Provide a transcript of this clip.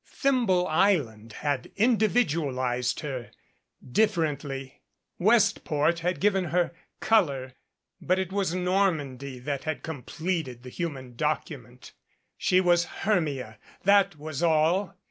Thimble Island had individualized her differ ently; Westport had given her color; but it was Nor mandy that had completed the human document. She was Hermia, that was all!